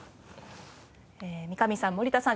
三上さん森田さん